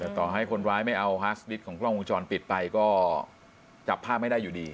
ต่อให้คนร้ายไม่เอาฮาสดิตของกล้องวงจรปิดไปก็จับภาพไม่ได้อยู่ดี